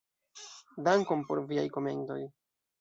Dankon por viaj komentoj.